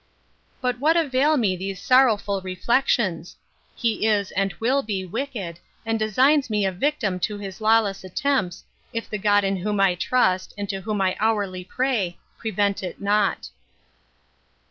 —But what avail me these sorrowful reflections? He is and will be wicked, and designs me a victim to his lawless attempts, if the God in whom I trust, and to whom I hourly pray, prevent it not.